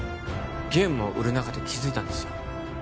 ゲームを売る中で気づいたんですよ